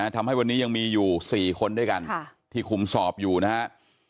ทำให้วันนี้ยังมีอยู่๔คนด้วยกันที่คุมสอบอยู่นะครับ